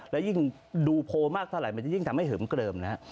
และยิ่งดูโพลมากเท่าไหร่มันจะยิ่งทำให้เหิมเกลิมนะฮะ